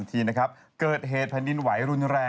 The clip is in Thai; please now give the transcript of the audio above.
สนับสนุนโดยดีที่สุดคือการให้ไม่สิ้นสุด